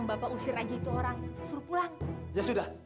gue tuh nggak diusir dari rumah